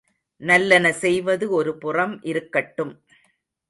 நல்லன செய்வது ஒருபுறம் இருக்கட்டும்.